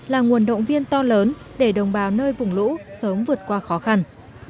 là nguồn động viên to lớn để đồng bào nơi vùng lũ sớm vượt qua khó khăn